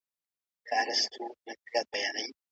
ارمان کاکا په خپله امسا نښانونه جوړول او په سوچ کې ډوب و.